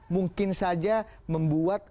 mungkin saja membuat